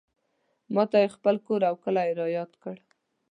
ماته یې خپل کور او کلی رایاد کړ.